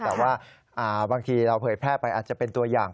แต่ว่าบางทีเราเผยแพร่ไปอาจจะเป็นตัวอย่าง